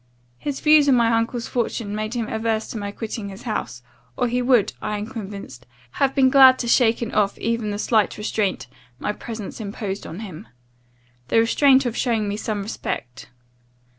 His views on my uncle's fortune made him averse to my quitting his house, or he would, I am convinced, have been glad to have shaken off even the slight restraint my presence imposed on him; the restraint of showing me some respect.